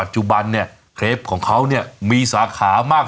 เจ้าของก็น่ารัก